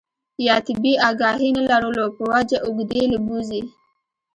يا طبي اګاهي نۀ لرلو پۀ وجه اوږدې له بوځي